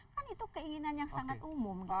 kan itu keinginan yang sangat umum